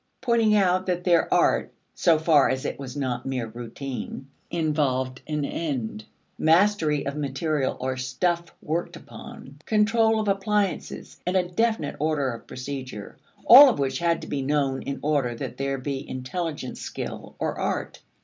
pointing out that their art (so far as it was not mere routine) involved an end, mastery of material or stuff worked upon, control of appliances, and a definite order of procedure all of which had to be known in order that there be intelligent skill or art.